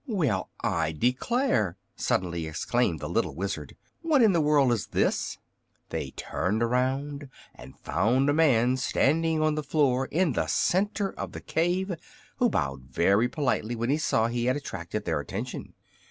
"Well, I declare!" suddenly exclaimed the little Wizard. "What in the world is this?" They turned around and found a man standing on the floor in the center of the cave, who bowed very politely when he saw he had attracted their attention.